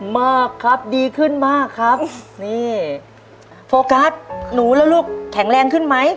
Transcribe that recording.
มากครับดีขึ้นมากครับนี่โฟกัสหนูแล้วลูกแข็งแรงขึ้นไหม